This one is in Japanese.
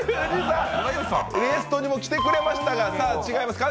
ゲストにも来てくれましたが違います。